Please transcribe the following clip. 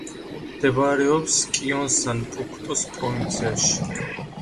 მდებარეობს კიონსან-პუქტოს პროვინციაში.